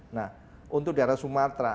nah untuk daerah sumatera